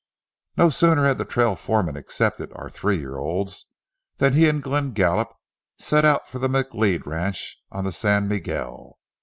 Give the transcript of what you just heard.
No sooner had the trail foreman accepted our three year olds than he and Glen Gallup set out for the McLeod ranch on the San Miguel.